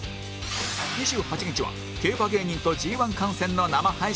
２８日は競馬芸人と ＧⅠ 観戦の生配信も企画中